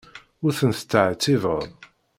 Ur tent-ttɛettibeɣ.